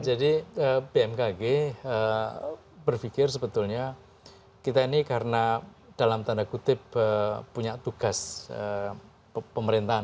jadi bmkg berpikir sebetulnya kita ini karena dalam tanda kutip punya tugas pemerintahan